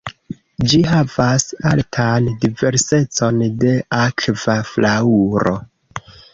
Ĝi havas altan diversecon de akva flaŭro.